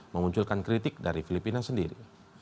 memunculkan kritik dari filipina sendiri